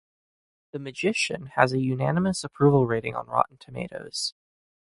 "The Magician" has a unanimous approval rating on Rotten Tomatoes.